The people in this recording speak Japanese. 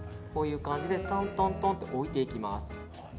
こういう感じでトントントンと置いていきます。